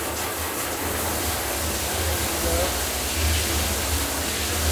เลิฟ